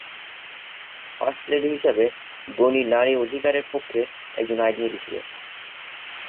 First lady হিসাবে, গণি নারী অধিকারের পক্ষে একজন আইনজীবী ছিলেন।